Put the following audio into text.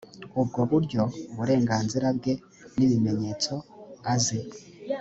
ubwo buryo uburenganzira bwe n ibimenyetso azi